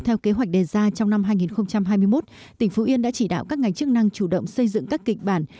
theo kế hoạch đề ra trong năm hai nghìn hai mươi một tỉnh phú yên đã chỉ đạo các ngành chức năng chủ động xây dựng các kịch bản